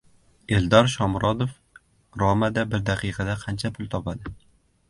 Eldor Shomurodov "Roma"da bir daqiqada qancha pul topadi?